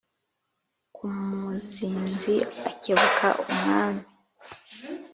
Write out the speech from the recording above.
Kamuzinzi akebuka Umwami,